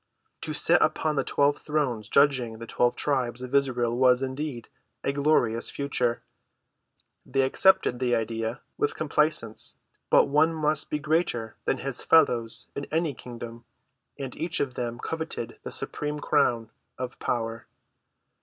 To sit upon twelve thrones judging the twelve tribes of Israel was, indeed, a glorious future; they accepted the idea with complaisance, but one must be greater than his fellows in any kingdom, and each of them coveted the supreme crown of power.